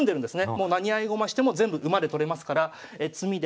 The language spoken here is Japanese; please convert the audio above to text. もう何合駒しても全部馬で取れますから詰みで。